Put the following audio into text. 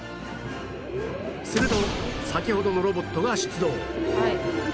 すると先ほどのロボットが出動